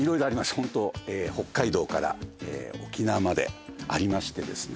ホント北海道から沖縄までありましてですね